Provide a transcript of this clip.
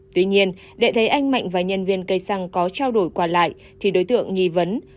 tuy nhiên để thấy anh mạnh và nhân viên cây xăng có trao đổi qua lại thì đối tượng nghi vấn